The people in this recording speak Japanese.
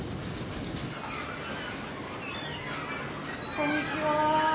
・こんにちは。